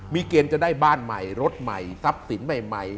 มีเกณฑ์จะได้บ้านใหม่รถใหม่ทรัพย์สินใหม่